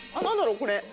これ。